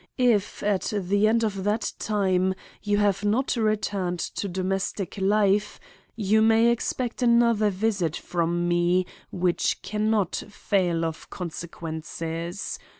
If at the end of that time you have not returned to domestic life you may expect another visit from me which can not fail of consequences.